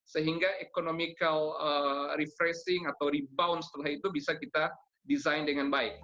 sehingga economical refreshing atau rebound setelah itu bisa kita desain dengan baik